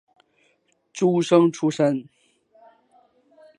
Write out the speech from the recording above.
诸生出身。